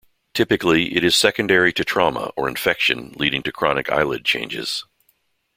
Typically it is secondary to trauma, or infection leading to chronic eyelid changes.